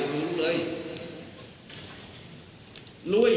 ไม่รู้เลย